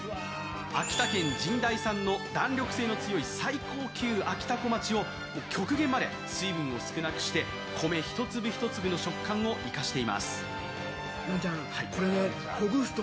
秋田県神代産の弾力性の強い最高級あきたこまちを極限まで水分を少なくして米一粒一粒の食感を生かしています。